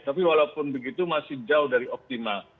tapi walaupun begitu masih jauh dari optimal